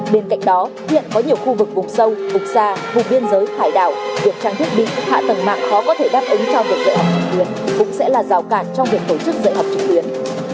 bên cạnh đó hiện có nhiều khu vực vùng sâu vùng xa vùng biên giới hải đảo việc trang thiết bị hạ tầng mạng khó có thể đáp ứng cho việc dạy học nghề cũng sẽ là rào cản trong việc tổ chức dạy học trực tuyến